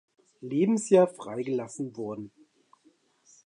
Lebensjahr frei gelassen wurden.